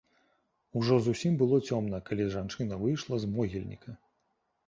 Ужо зусім было цёмна, калі жанчына выйшла з могільніка.